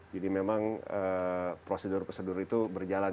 jadi memang prosedur prosedur itu berjalan